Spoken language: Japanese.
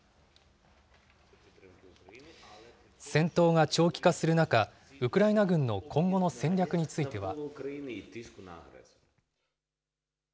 戦闘が長期化する中、ウクライナ軍の今後の戦略については。